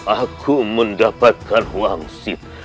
aku mendapatkan wangsit